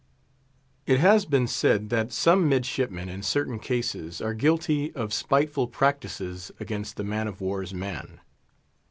It has been said that some midshipmen, in certain cases, are guilty of spiteful practices against the man of war's man.